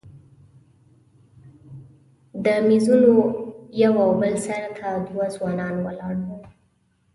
د میزونو یو او بل سر ته دوه ځوانان ولاړ وو.